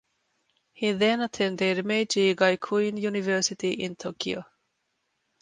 He then attended Meiji Gakuin University in Tokyo.